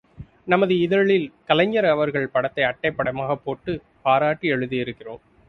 நமது இதழில் கலைஞர் அவர்கள் படத்தை அட்டைப் படமாகப் போட்டுப் பாராட்டி எழுதியிருக்கிறோம்.